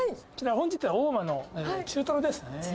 こちら、本日は大間の中トロですね。